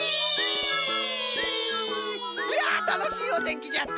いやたのしいおてんきじゃった。